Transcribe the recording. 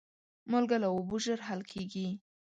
مالګه له اوبو ژر حل کېږي.